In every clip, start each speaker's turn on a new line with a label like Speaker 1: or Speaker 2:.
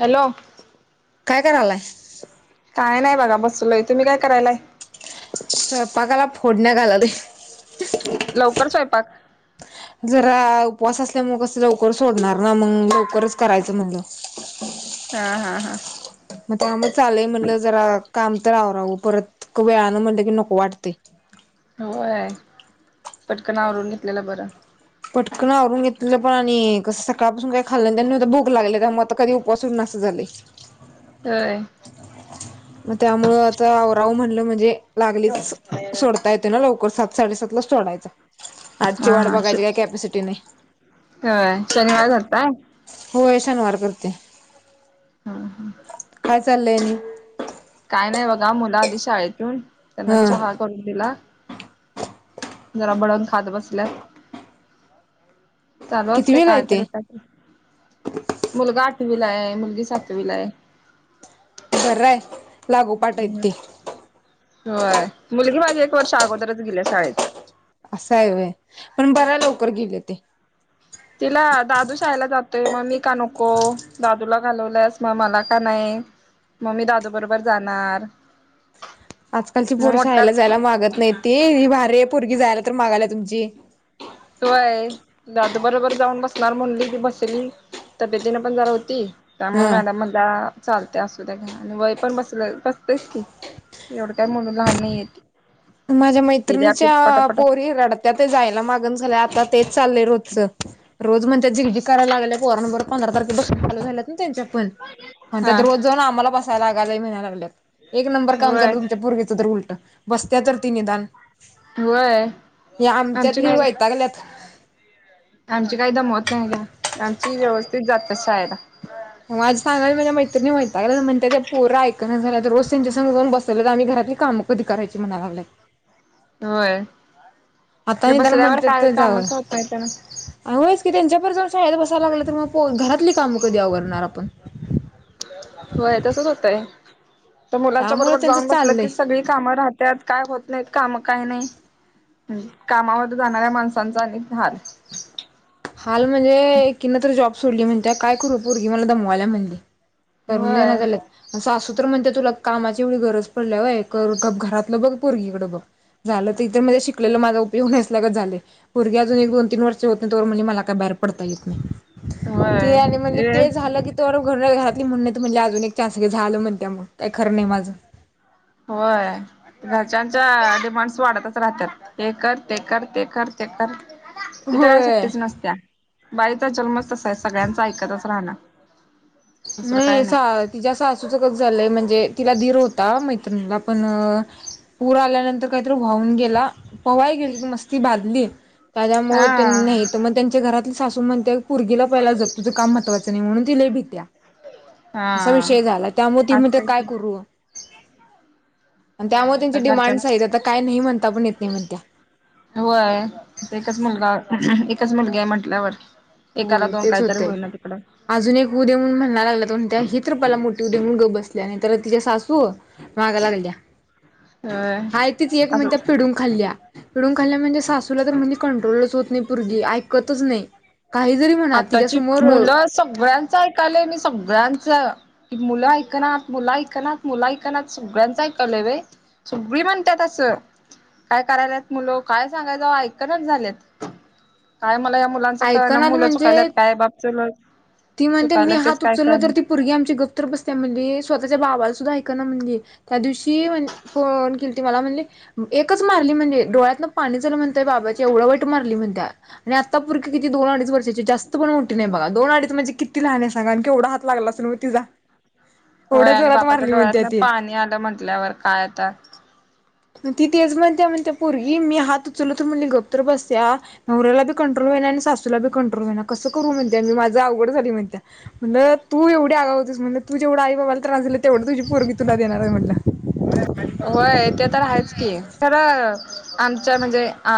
Speaker 1: Hello.
Speaker 2: काय करालाय?
Speaker 1: काय नाही बघा बसलोय. तुम्ही काय करायलाय?
Speaker 2: स्वयंपाकाला फोडणी घाललूय.
Speaker 1: लवकर स्वयंपाक!
Speaker 2: जरा उपवास असल्यामुळे, कसं लवकर सोडणार ना, मग लवकरच करायचं म्हणलं. [unintelligible]
Speaker 1: हा, हा, हा.
Speaker 2: मग त्यामुळं चाललय, म्हणलं जरा काम तर आवरावं परत वेळानं म्हणलं की, नको वाटतयं.
Speaker 1: होय, पटकन आवरून घेतलेलं बरं.
Speaker 2: पटकन आवरून घेतललं पण, आणि कसं सकाळपासून काय खाल्लं नाही, त्यानं आता भूक लागले त्यामुळे, आता कधी उपवास सोडणं असं झालंय.
Speaker 1: होय.
Speaker 2: मग त्यामुळं, आता आवरावं म्हणलं म्हणजे, लागलीच सोडता येते ना लवकर सात साडे सातलाच सोडायचा. आजची
Speaker 1: हा
Speaker 2: वाट
Speaker 1: हा श
Speaker 2: बघायची, काय कॅपसिटी नाही.
Speaker 1: होय शनिवार धरताय
Speaker 2: होय, शनिवार करते.
Speaker 1: हा, हा.
Speaker 2: काय चाललंय आणि?
Speaker 1: काय नाही बघा, मुलं आली शाळेतून, त्यांना
Speaker 2: हा
Speaker 1: चहा करून दिला. जरा भडंग खात बसल्यात. चालू असते
Speaker 2: कितवीला आहे
Speaker 1: काय
Speaker 2: ते?
Speaker 1: तरी काय. मुलगा आठवीला आहे. मुलगी सातवीला आहे.
Speaker 2: बरं आहे. लागोपाठ आहेत ते
Speaker 1: होय, मुलगी माझी एक वर्ष अगोदरच गेली शाळेत.
Speaker 2: असं हाय वय पण, बरा लवकर गेले ते.
Speaker 1: तिला, दादू शाळेला जातोय मग मी का नको. दादूला घालवलंस मग मला का नाही. मग मी दादू बरोबर जाणार.
Speaker 2: आज कालची
Speaker 1: मग
Speaker 2: पोरं
Speaker 1: मोठा
Speaker 2: शाळेला जायला मागत नाहीत. ही भारी आहे पोरगी जायला तर मागालाय तुमची.
Speaker 1: होय, दादू बरोबर जाऊन बसणार म्हणली, ती बसली तब्येतीने पण जरा होती. त्यामुळे
Speaker 2: हा
Speaker 1: मॅडम म्हणल्या चालते असू द्या. घ्या आणि वय पण बसलं बसतेच की, एवढं काय म्हणून लहान नाहीत.
Speaker 2: माझ्या मैत्रिणीच्या पोरी रडत्यात जायला मागण झाल्या आता तेच चाललंय रोजच, रोज म्हणत्यात झिगझिग करायला लागलीया पोरांबरं, पंधरा तारखेपासून चालू झाल्यात ना त्यांच्या पण, म्हणत्यात
Speaker 1: हा
Speaker 2: रोज जाऊन आम्हाला बसायला लागालयं म्हणालागल्यात. एक नंबर काम
Speaker 1: होय
Speaker 2: झालं. तुमच्या पोरगीच तर उलट बसत्या तर ती निदान.
Speaker 1: होय
Speaker 2: या,
Speaker 1: आमची
Speaker 2: आमच्यातली
Speaker 1: नाही
Speaker 2: वैतागल्यात.
Speaker 1: आमची काही दमवत नाही. आमची व्यवस्थित जातात शाळेला.
Speaker 2: मग, आज सांगायाचं, माझ्या मैत्रिणी वैतागल्यात म्हणत्यात, पोरं ऐक ना झाल्यात, रोज त्यांच्या सोबत जाऊन बसलोत आम्ही घरातली काम कधी करायची म्हणा लागलं [inaudible] आहे आता
Speaker 1: होय [inaudible]
Speaker 2: निदान
Speaker 1: बसऱ्यावर काय कामच होतय [inaudible] त्याना
Speaker 2: [inaudible] आणिमुळेच की त्यांच्याप जर [inaudible] शळद बसाय लागलं तर मग घरातली कामं कधी अवरणार आप
Speaker 1: होय तसच होतंय तर मुलांच्या
Speaker 2: त्यामुळे
Speaker 1: बरोबर
Speaker 2: त्यांचं
Speaker 1: जाऊन बसलं की
Speaker 2: चाललंय.
Speaker 1: सगळी काम राहते आज काय होत नाही काम काय नाही. [inaudible] ह् कामामध्ये जाणाऱ्या माणसांचा अनेक हाल.
Speaker 2: हाल म्हणजे [inaudible] कीन तर जॉब सोडली म्हणत्या काय करू पोरगी मला दमवायला म्हणली.
Speaker 1: होय.
Speaker 2: [inaudible] सासूत्र म्हणते तुला कामाची एवढी गरज पडल्या [inaudible] व कर घरातलं बघ पुरगी [inaudible] झालं तर [inaudible] इ शिक माझा. [inaudible] ऊसलगच झाले [inaudible] भरगे अजून एक दोन तीन वर्ष होते त [inaudible] म्ह मला काय बाहेर पडता येत नाही ते
Speaker 1: होय
Speaker 2: आणि म्हणजे
Speaker 1: ये
Speaker 2: ते झालं की. त घर घातली म्हण नाही त म्हणज अजून एक चान्स घे झालं म्हण त्या म काही खरं नाही माझं.
Speaker 1: होय. घरच्यांच्या डिमांडस वाढतच राहतात. हे कर, ते कर, ते कर, ते कर, ते कर. तिथं काय
Speaker 2: होय.
Speaker 1: सुट्टीच नसत्या बाई तर जन्म तसा आहे सगळ्यांच ऐकतच राहण.
Speaker 2: नाहीस. तिच्या सासूच कसं झालंय म्हणजे तिला दीर होता मैत्रिणीला पण. पूर आल्यानंतर काहीतरी वाहून गेला, पवाय गेली मस्ती बाधली. त्यामुळे [inaudible] नाही
Speaker 1: हा
Speaker 2: तर मग त्यांचे घरातले सासू म्हण पोरगीला पहिला जप तुझं काम महत्वाच नाही म्हणून तिले भीत्या. असा
Speaker 1: हा
Speaker 2: विषय झाला त्यामुळे मग ते म्हणते
Speaker 1: असतय
Speaker 2: काय
Speaker 1: की
Speaker 2: करू, आणि
Speaker 1: होय
Speaker 2: त्यामुळे त्यांचे
Speaker 1: आता
Speaker 2: डिमांड्स
Speaker 1: घरच्यांच
Speaker 2: आहेत आता काय नाही म्हणता पण येत नाही म्हण त्या
Speaker 1: होय एकच मुलगा एकच मुलगी आहे म्हंटल्यावर एकाला
Speaker 2: होय
Speaker 1: दोन
Speaker 2: तेच
Speaker 1: काहीतरी
Speaker 2: होतंय
Speaker 1: होईल ना तिकडं.
Speaker 2: अजून एक होऊ देऊन म्हणयला लागला तण ही तर पहिला मोठी होऊ दे म्हणून गप्प बसल्या आणि तर तिचे सासू, माग लागल्या.
Speaker 1: होय
Speaker 2: हा तिथ एक म्हणजे
Speaker 1: असंच
Speaker 2: पिडुन खाल्ल्या, पिडुन खाल्ल्या म्हणजे. सासूला तर म्हणजे. कंट्रोलच होत नाही पोरगी ऐकतच नाही. काही जरी म्हणा
Speaker 1: आताची
Speaker 2: तिच्यासमोर
Speaker 1: मुलं सगळ्यांच ऐकायलंय मी सगळ्यांच की मुलं ऐकना, मुला ऐकनात, मुला ऐकना सगळ्यांच ऐकलं व. सगळी म्हणतात असं. काय करायलात मुलं काय सांगायचं ऐकनच झालेत. काय मला या मुलांच कळना
Speaker 2: ऐकनात
Speaker 1: मुलं चुकायल्यात
Speaker 2: म्हणजे,
Speaker 1: काय बाप चुलत
Speaker 2: ती म्हणतेे मी
Speaker 1: चुकायल्यात तेच
Speaker 2: हात
Speaker 1: काय
Speaker 2: उचललो
Speaker 1: कळना
Speaker 2: तर त पोरगी आमची गप्प तर बसत्या म्हणली. स्वतःच्या बाबाला सुद्धा ऐकेना म्हणली. त्या दिवशी म्हण फोन केलती मला म्हणले. एकच मारली म्हणे डोळ्यातन पाणी [inaudible] झालं [inaudible] म्हणत बाबाची एवढं वाईट मारली म्हण त्या्या आणि आता किती दो अडीच वर्षाची जास्त पण [inaudible] मोठी नाही बघा अडीच म्हणजे. किती लहान आहे सांगा आणि केवढा हात लागला असल म, तिला.
Speaker 1: होय आणि बापाच्या डोळ्यात ना
Speaker 2: ती.
Speaker 1: पाणी आलं म्हंटल्यावर काय आता.
Speaker 2: ती तेच म्हणते. म्हणत्या पोरगी मी हात उचलत म्हणली गप्प तर बसत्या. नवऱ्याला बी कंट्रोल हाईना आणि सासूला बी कंट्रोल होईना. कसं करू म्हणत्या, मी माझ अवघड झाली म्हणत्या. म्हणलं तू एवढी अगाव होतीस म्हण तू [inaudible] जवं आई बाबाला त्रास दिला तेवढ तुझी पोरगी तुला देणार आहे म्हटलं.
Speaker 1: होय ते तर आहेच की खरं आमच्या म्हणजे अ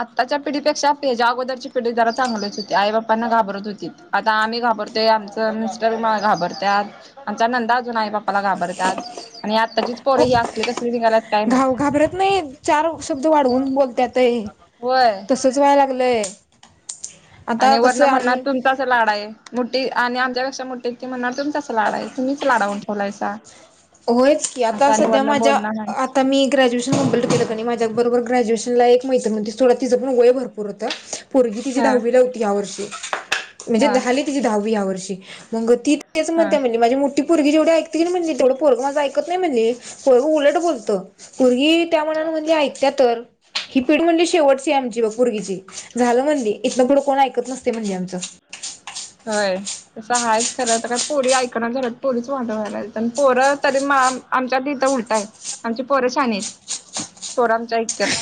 Speaker 1: आत्ताच्या पिढीपेक्षा त्याच्या अगोदरची पिढी जरा चांगलीच होती. आई बापांना घाबरत होती. आता आम्ही घाबरतोय आमच मिस्टर मला घाबरत्यात. आमचा नंदा अजून आई बाप्पाला घाबरत्यात आणि आत्ताचीच पोर ही असली कसली निघाल्यात. काय
Speaker 2: घाव
Speaker 1: माहित
Speaker 2: घाबरत नाहीत चार शब्द वाढवून बोलत्यातय,
Speaker 1: होय
Speaker 2: तसंच होय य लागलंय, आता कसं आम्ही
Speaker 1: असं लाड आहे. मोठी आणि आमच्यापैक्षा मोठी ती म्हणणार तुमचाच लाड आहे तुम्हीच लाडावून ठेवलायसा.
Speaker 2: होयच की
Speaker 1: असं
Speaker 2: आता
Speaker 1: आणि
Speaker 2: सध्या
Speaker 1: वरण
Speaker 2: माझ्या
Speaker 1: बोलणार
Speaker 2: आता मी ग्रॅज्युएशन कंप्लीट केलं की नी माझ्या बरोबर ग्रॅज्युएशनला एक मैत्रीण होती थोडं तिझ पण वय भरपूर होतं. पोरगी तिची
Speaker 1: हा
Speaker 2: दहावीला होती यावर्षी म्हणजे
Speaker 1: हा हा
Speaker 2: झाली तिची दहावी यावर्षी, मग ती तेच
Speaker 1: हा
Speaker 2: म्हणते म्हणली माझी मोठी पुरगी जेवढी ऐकती की नाही म्हणली ते पोरग माझं ऐकत नाही म्हणली पोरगं उलट बोलतं पोरगी त्यामानाने म्हणली ऐकत्या तर. ही पिढु म्हणली शेवटची आमची बघ पोरगीची. झालं म्हणली इथनं पुढं कोण ऐकत नसतय म्हणली आमचं.
Speaker 1: होय तसं आहेच खरं तर पोरी ऐकणा झाल्यात पोरीच वाटुळ व्हायला लाल्यात पोरं तरी मा आमच्यात इथं उलटय आमची पोरं शहाणी येतं, पोरं आमचं ऐकत्यात.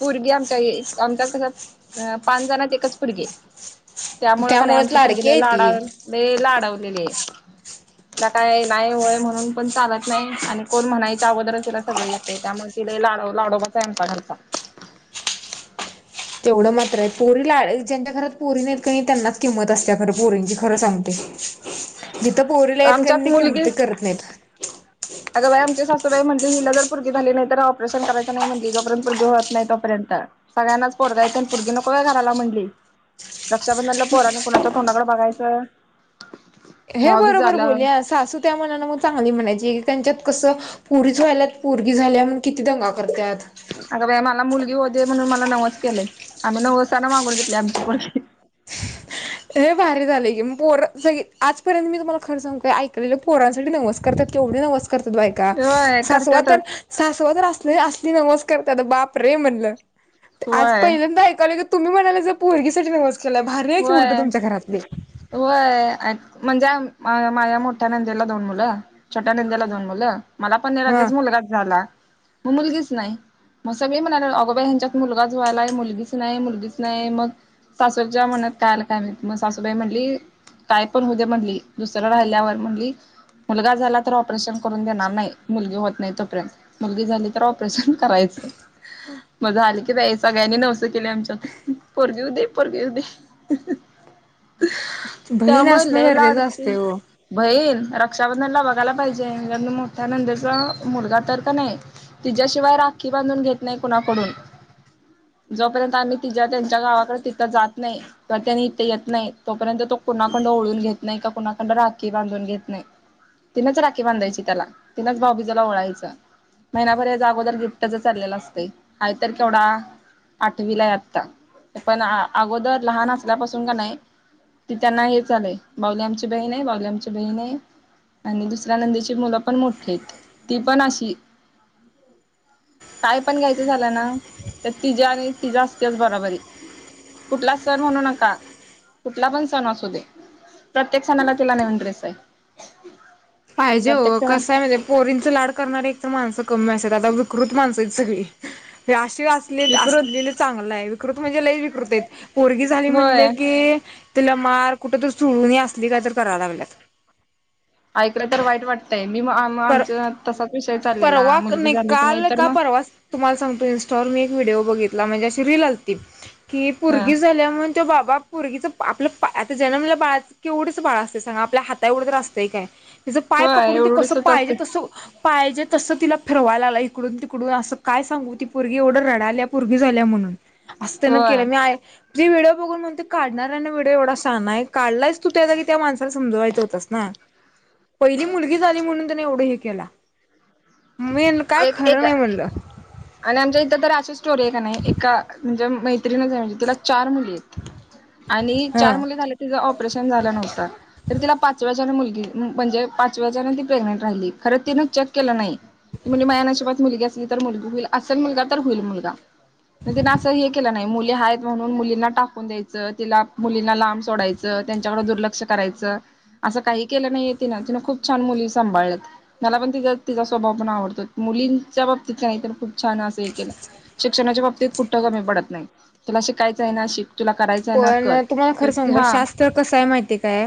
Speaker 1: पोरगी आमच्या आमच्यात कसं, पाच जणात एकच पुरगी ये. त्यामुळं का नाही
Speaker 2: त्यामुळेच
Speaker 1: आमची पुरगी
Speaker 2: लाडकी आहे
Speaker 1: लाडाव
Speaker 2: ती
Speaker 1: लई लाडवलेली ये. तिला काय नाही होय म्हणून पण चालंत नाही आणि कोण म्हणायच्या अगोदरच तिला सगळं येतयं त्यामुळे ती लय लाडाव लाडोबाच आहे आमच्या घरचा.
Speaker 2: तेवढं मात्र आहे पोरीला ज्यांच्या घरात पोरी नाहीत की नाही त्यांनाच किंमत असत्या खरं पोरींची खरं सांगते. जिथं पोरी लई आहेत की
Speaker 1: आमच्यात
Speaker 2: नाही किमती
Speaker 1: मुलगी
Speaker 2: करत नाहीत.
Speaker 1: अगं बाई आमची सासूबाई म्हटली हिला जर पोरगी झाली नाही तर ऑपरेशन करायचं नाही म्हटंली जोपर्यंत पोरगी होतं नाही तोपर्यंत. सगळ्यांनाच पोरग हायत आणि पोरगी नको व्हयं घराला म्हणली. रक्षाबंधनला पोरांनी कुणाच्या तोंडाकडे बघायचं.
Speaker 2: हे
Speaker 1: भाऊबीज
Speaker 2: बरोबर
Speaker 1: झालं
Speaker 2: बोलली सासू त्या मानानं मग चांगली म्हणायची की त्यांच्यात कसं पुरीच व्हाल्यात पोरगी झाल्या मग किती दंगा करत्यात.
Speaker 1: अग बाई मला मुलगी होऊ दे म्हणून मला नवस केलंय, आम्ही नवसान मागून घेतल्या आमची पोरगी.
Speaker 2: हे भारी झालंय की मग पोर सगळे आजपर्यंत मी तुम्हांला खरं सांगू काय ऐकलेलं पोरांसाठी नवस करतात केवढे नवस करतात बायका,
Speaker 1: होय
Speaker 2: सासवा तर
Speaker 1: करत्यातच
Speaker 2: सासवा तर असले असली नवस करत्यात बापरे! म्हणलं, ते आज
Speaker 1: होय
Speaker 2: पहिल्यांदा ऐकालोय तुम्ही म्हणालायसा पोरगीसाठी नवस केलाय भारी आहे की उलटं तुमच्या घरातली.
Speaker 1: व्हयं म्हणजे आम माझ्या मोठ्या नंदेला दोन मुलं, छोट्या नंदेला दोन मुलं मला पण
Speaker 2: हा
Speaker 1: लगेच मुलगाच झाला, मग मुलगीच नाही. मग सगळी म्हणायला अगोबाई ह्यांच्यात मुलगाच व्हायलाय मुलगीच नाही, मुलगीच नाही, मग सासूबाई च्या मनात काय आलं काय माहिती मग सासूबाई म्हणली काय पण होऊ दे म्हणली दुसरं राहिल्यावर म्हणली, मुलगा झाला तर ऑपरेशन करून देणार नाही, मुलगी होत नाही तोपर्यंत. मुलगी झाली तर ऑपरेशन करायचं. मग झाली की बाई सगळ्यांनी नवसं केली आमच्यात पोरगी होऊ दे, पोरगी होऊ दे.
Speaker 2: बहीण
Speaker 1: त्यामुळे
Speaker 2: असणं
Speaker 1: लई
Speaker 2: गरजेचं
Speaker 1: लाडकी.
Speaker 2: असते हो
Speaker 1: बहीण रक्षाबंधनला बघायला पाहिजे मोठ्या नंदेचा मुलगा तर का नाही, तिच्याशिवाय राखी बांधून घेत नाही कुणाकडून. जोपर्यंत आम्ही तिच्या त्यांच्या गावाकडे तिथं जात नाही, का त्यांनी इथे येत नाही तोपर्यंत तो कुणाकडनं ओवाळून घेत नाही, का कुणाकडनं राखी बांधून घेत नाही. तिनंच राखी बांधायची त्याला, तिनंच भाऊबीजला ओळायचं. महिनाभर हेज अगोदर गिफ्टच चाललेलं असतय, हाय तर केवढा. आठवीला हाय आता, पण अगोदर लहान असल्यापासून कनाय ती त्यांना हे झालंय, बाऊली आमची बहीण हाय, बाऊली आमची बहीण हाय. आणि दुसऱ्या नंदेची मुलं पण मोठीे आहेत, ती पण अशी काय पण घ्यायचं झालं ना, तर तिज्या आणि तिझ्या असत्याचं बराबरी. कुठला सण म्हणू नका, कुठला पण सण असू दे. प्रत्येक सणाला तिला नवीन ड्रेस हाय.
Speaker 2: पाहिजे वो, कसायं माहिती हाय पोरीनचं लाड करणारे एक तर माणसं कमी असतात, आता विकृत माणसं हायत सगळी. ही अशी
Speaker 1: विकृत
Speaker 2: असलेलं चांगलाय, विकृत म्हणजे लई विकृत हाईत, पोरगी झाली
Speaker 1: होय
Speaker 2: म्हणलं की तिला मार, कुठंतर सोडून ये असली काय तर कराय लागल्यात.
Speaker 1: ऐकलं तर वाईट वाटतंय, मी म
Speaker 2: पर
Speaker 1: आमच्यात तसाच विषय चाललेला मुलगी झालीच नाही तर मग
Speaker 2: तुम्हांला सांगतो, इन्स्टॉवर मी एक व्हिडिओ बघितला म्हणजे अशी रील आलती, की
Speaker 1: ह
Speaker 2: पुरगी झाल्या म्हण त्यो बाबा, पुरगीचं आपलं पा, आता जन्मलेलं बाळाचं कीवढंस बाळ असतयं सांग. आपल्या हाता एवढं तर असतंय काय. तिज पाय
Speaker 1: होय
Speaker 2: पकडून त्यो कसं
Speaker 1: एवढडसच
Speaker 2: पाहिजे
Speaker 1: असते
Speaker 2: तसं, पाहिजे तसं तिला फिरवाय लायलाय इकडून -तिकडून असं काय सांगू ती पुरगी एवढं रडाल्या, पुरगी झालीया म्हणून. असं तेनं केलंय,
Speaker 1: होय
Speaker 2: मी आय जी व्हिडिओ बघून म्हणतोय काढणाऱ्यानं व्हिडिओ एवढा शहाणा हाय, काढलायस तू त्या जागी त्या माणसाला समजवायं होतंस ना. पहिली मुलगी झाली म्हणून तेनं एवढं हे केला. [unintelligible]
Speaker 1: एक, एका
Speaker 2: नाही म्हणलं.
Speaker 1: आणि आमच्या इथं तर अशी स्टोरी हाय कणी, एका म्हणजे मैत्री तिला चार मुलीयेतं आणि चार
Speaker 2: हा.
Speaker 1: मुली झाल्या तिचं ऑपरेशन झालं नव्हतं. तर तिला पाचव्याच्यानं मुलगी म्हणजे पाचव्याच्यान ती प्रेग्नेंट राहिली, खरं तिनं चेक केलं नाही. ती म्हणंली माह्या नशिबात मुलगी असली तर मुलगी होईल, असंल मुलगा तर होईल मुलगा. म, तिनं असं हे केलं नाही, मुली हायेत म्हणून मुलींना टाकून द्यायचं, तिला मुलींना लांब सोडायचं, त्यांच्याकडं दुर्लक्ष करायचं. असं काही केलं नाहीय तिनं, तिनं खूप छान मुली सांभाळल्यात. मला पण तिचा, तिचा स्वभाव पण आवड मुलींच्या बाबतीत नाही, तर खूप छान असं हे केलं. शिक्षणाच्या बाबतीत कुटं कमी पडत नाही, तुला शिकायचं आहे ना शिक, तुला कराय
Speaker 2: पण तुम्हाला खरं सांगु काय शास तर कसं हाय माहितीय काय,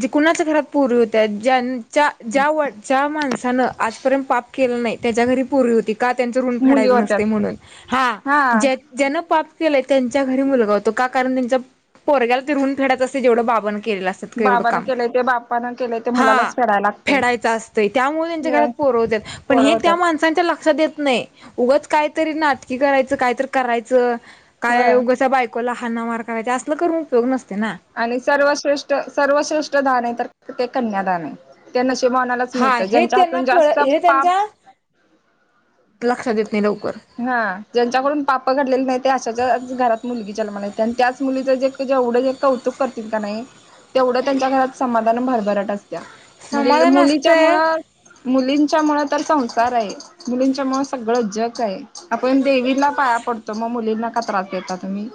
Speaker 2: जे कुणाच्या घरात पोरी हुत्यात ज्यांन ज्या वट, ज्या माणसानं आजपर्यंत पाप केलं नाही, त्याच्या घरी पोरी होतीत. त्यांचं ऋून
Speaker 1: मुली
Speaker 2: फेडायचं
Speaker 1: होत्यात
Speaker 2: नसतय म्हणून, हा ज, ज्यानं पाप केलंय त्यांच्या घरी मुलगा होतो. का, कारण त्यांचं पोरग्याला ते ऋण फेडायच असतय जवढं बाबानं केलेलं असंतं. एवढ
Speaker 1: बाबानं
Speaker 2: काम,
Speaker 1: केलंय ते बापानं केलंय ते
Speaker 2: हा
Speaker 1: मुलालाच फेडायला लागतय
Speaker 2: फेडायचं असतंय त्यामुळे त्यांच्या घरात
Speaker 1: होय
Speaker 2: पोरं व्हत्यातं.
Speaker 1: पोरं व्हत्यातं.
Speaker 2: त्यांच्या लक्षात येत नाही, उगच कायतरी नाटकी करायचं कायतरी करायचं काय
Speaker 1: होय
Speaker 2: उगस बायकोला हाना मार करायच, असल करून उपयोग नसतय ना.
Speaker 1: आणि सर्वात श्रेष्ठ, सर्वात श्रेष्ठ दान हाय, तर ते कन्या दान हाय. ते नशिबवानालाच
Speaker 2: हा
Speaker 1: मिळतं
Speaker 2: हे
Speaker 1: ज्यांच्या
Speaker 2: त्यांना
Speaker 1: हातून
Speaker 2: कळ,
Speaker 1: जास्त
Speaker 2: हे
Speaker 1: पाप
Speaker 2: त्यांच्या लक्षात येत नाही लवकर.
Speaker 1: हा, ज्यांच्याकडून पापं घडलेले नाही ते अशाच्याच घरात मुलगी जलमाला येतीया आणि त्याच मुलीच जे जेवढं जे कौतुक करतील का नाही, तेवढं त्यांच्या घरात समाधान भरभराट असत्या. मुली,
Speaker 2: समाधान असतंय
Speaker 1: मुलीच्यामुळं मुलींच्यामुळं तर संसार आहे. मुलींच्या मुळं सगळं जग आहे, आपण देवींला पाया पडतो मग मुलींना का त्रास देता तुम्ही?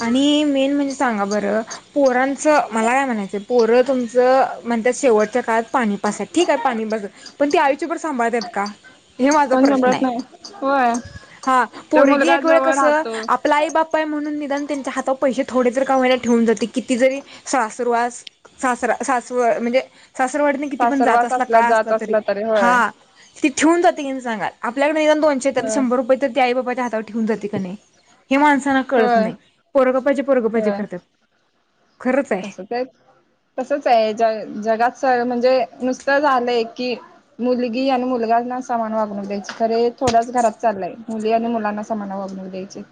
Speaker 2: आणि मेन म्हणजे सांगा बरं पोरांचं मला काय म्हणायचं पोरं तुमचं म्हणतात शेवटच्या काळात पाणी पाजतात, ठीक आहे पाणी पाजता पण ते आयुष्यभर सांभाळत्यात का? हे माझा
Speaker 1: कोण
Speaker 2: प्रश्न
Speaker 1: सांभाळत
Speaker 2: आहे.
Speaker 1: नाही होय
Speaker 2: हा
Speaker 1: तो
Speaker 2: पोरगी
Speaker 1: मुलगा
Speaker 2: एक वेळ
Speaker 1: जवळ
Speaker 2: कसं,
Speaker 1: राहतो
Speaker 2: आपला आई बाप आहे म्हणून निघ निदान त्यांच्या हातावर पैसे थोडे जर का व्हयना ठेऊून जाते किती जरी सा सुरवास सास सगळा सासूरवास म्हणजे सासर वाडीतन किती पण जात असला काळ असला तरी. हा ती ठेउन जाते कि नाही सांगा आपल्याकडे निदान दोन त्याच्यातले
Speaker 1: होय
Speaker 2: शंभर रुपये तरी ती आई बापाच्या हातावर ठेवून जाती का नाही हे माणसांना कळत
Speaker 1: होय
Speaker 2: नाही. पोरगं पायजे पोरगं पायजे
Speaker 1: होय
Speaker 2: करत्यात खरंच आहे.
Speaker 1: तर तसंच आहे ज जगात स म्हणजे नुसतं झालंय की मुलगी आणि मुलगांना सामान वागणू द्यायची खरे हे थोड्याच घरात चाललाय मुली आणि मुलांना समान वागणूक द्यायचची.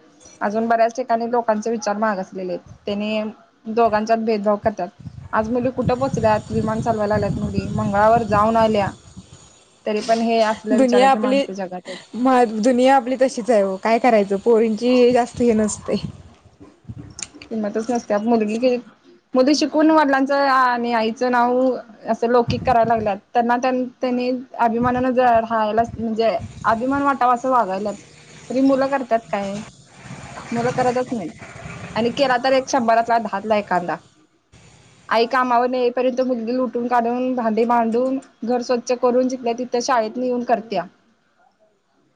Speaker 1: अजून बऱ्याच ठिकाणी लोकांचे विचार मागासलेलेत, त्यांनी दोघांच्यात भेदभाव करतात. आज मुली कुठं पोचल्यात, विमान चालवायला लागल्यात मुली, मंगळावर जाऊन आल्या. तरी पण हे असल्या विचाराची माणसं जगात आहेत.
Speaker 2: मग दुनिया आपली तशीच आहे वो काय करायचं, पोरींची जास्त हे नसते.
Speaker 1: किंमतच नसते, आप मुलगील मुली शिकून वडिलांचं आणि आईचं नाव असं लौकिक करायला लागल्यात, यांना त्यां त्यांनी अभिमानान ज राहायलाच म्हणजे अभिमान वाटावा असं वागायल्यात तरी मुलं करत्या त काय मुलं करतच नाहीत. आणि केला तर एक शंभरातला दाहातला एखांदा. आई कामावरन येईपर्यंत मुलगी लुटून काढून भांडे मांडून घर स्वच्छ करून जितल्या ति तर शाळेतनं येऊन करत्या.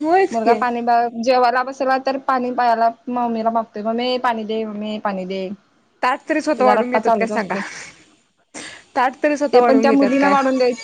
Speaker 2: होयच
Speaker 1: मुलगा
Speaker 2: की
Speaker 1: पाणी जेवायला बसला तर पाणी पाहायला मम्मीला मागतंय मम्मे पाणी दे मम्मे पाणी दे.
Speaker 2: ताट तरी स्वतः
Speaker 1: त्याचा
Speaker 2: वाढून
Speaker 1: रट्टा
Speaker 2: घेतात काय
Speaker 1: चालूच असतोय,
Speaker 2: सांगा ताट तरी स्वतः
Speaker 1: ते पण
Speaker 2: वाढून
Speaker 1: त्या
Speaker 2: घेतात
Speaker 1: मुलीन
Speaker 2: काय
Speaker 1: वाढून द्यायचं.